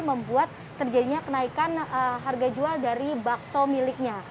membuat terjadinya kenaikan harga jual dari bakso miliknya